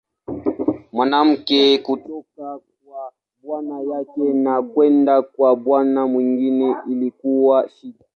Mwanamke kutoka kwa bwana yake na kwenda kwa bwana mwingine ilikuwa shida.